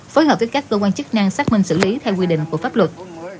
phối hợp với các cơ quan chức năng xác minh xử lý theo quy định của pháp luật